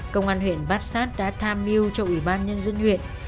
công an huyện bát sát đã tham mưu cho ủy ban nhân dân huyện